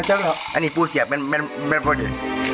อันนี้พูดเสียบมันไม่พอดี